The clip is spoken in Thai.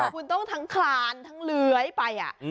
คุณต้องทั้งคลานทั้งเลื้อยไป